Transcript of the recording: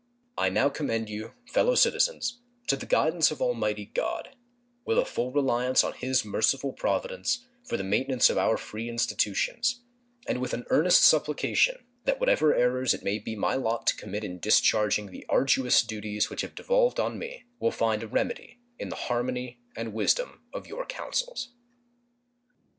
I now commend you, fellow citizens, to the guidance of Almighty God, with a full reliance on His merciful providence for the maintenance of our free institutions, and with an earnest supplication that what ever errors it may be my lot to commit in discharging the arduous duties which have devolved on me will find a remedy in the harmony and wisdom of your counsels.